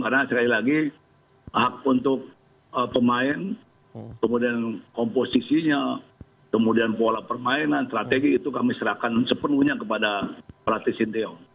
karena sekali lagi hak untuk pemain kemudian komposisinya kemudian pola permainan strategi itu kami serahkan sepenuhnya kepada pelatih sinteyong